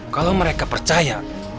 kalau mereka percaya